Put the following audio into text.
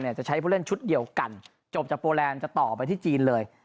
จะใช้ผู้เล่นชุดเดียวกันจบจากโปรแลนด์จะต่อไปที่จีนเลย